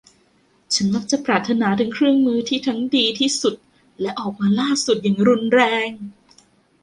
ฉันมักจะปรารถนาถึงเครื่องมือที่ทั้งดีที่สุดและออกมาล่าสุดอย่างรุนแรง